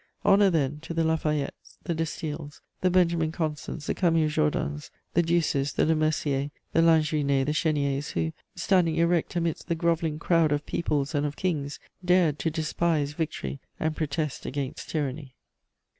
Honour then to the La Fayettes, the de Staëls, the Benjamin Constants, the Camille Jordans, the Ducis, the Lemerciers, the Lanjuinais, the Chéniers, who, standing erect amidst the grovelling crowd of peoples and of kings, dared to despise victory and protest against tyranny!